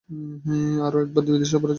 আরও একবার বিদেশ সফরের জন্য মনোনীত হন।